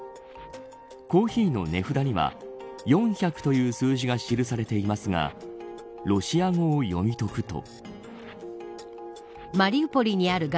コーヒーの値札には４００という数字が記されていますがロシア語を読み解くと。